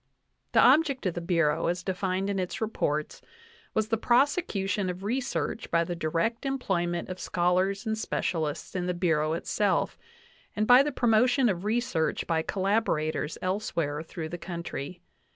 The object of the Bureau, as denned in its reports, was the prosecution of research by the direct employment of schol ars and specialists in the Bureau itself, and by the promotion of research by collaborators elsewhere through the country.